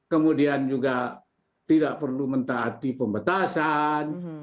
kemudian juga tidak perlu mentaati pembatasan